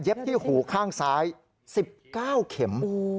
ที่หูข้างซ้าย๑๙เข็ม